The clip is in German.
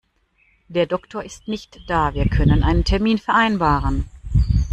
Der Doktor ist nicht da, wir können einen Termin vereinbaren.